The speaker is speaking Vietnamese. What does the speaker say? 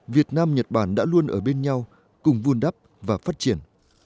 việt nam nhật bản đã luôn ở bên nhau cùng vun đắp và phát triển